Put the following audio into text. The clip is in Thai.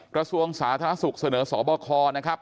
กระทรวงสาธารณสุขเสนอสอบคล